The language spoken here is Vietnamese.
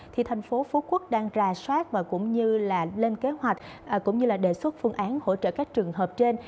thành phố phú quốc đang ra soát và lên kế hoạch đề xuất phương án hỗ trợ các trường hợp trên